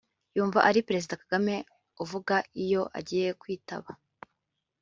yumva ari Perezida Kagame uvuga iyo agiye kwitaba